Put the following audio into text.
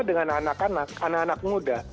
dengan anak anak muda